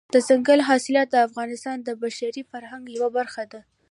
دځنګل حاصلات د افغانستان د بشري فرهنګ یوه برخه ده.